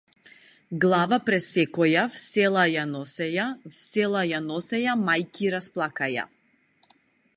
Глава пресекоја в села ја носеја, в села ја носеја мајки расплакаја.